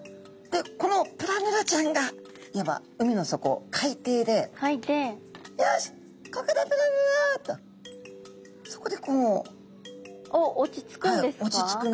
でこのプラヌラちゃんがいわば海の底海底で「よしここだプラヌラ」とそこでこう。おっ落ち着くんですか？